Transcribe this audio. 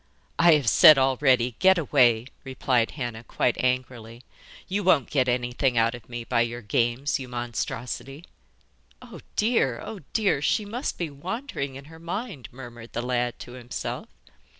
'I have said already, get away,' replied Hannah, quite angrily. 'You won't get anything out of me by your games, you monstrosity.' 'Oh dear, oh dear! she must be wandering in her mind,' murmured the lad to himself.